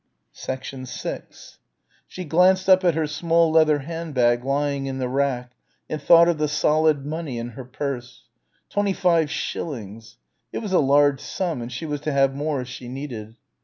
6 She glanced up at her small leather hand bag lying in the rack and thought of the solid money in her purse. Twenty five shillings. It was a large sum and she was to have more as she needed.